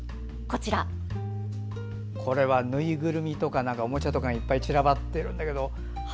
これは、ぬいぐるみとかおもちゃとかいっぱい散らばってるんだけど。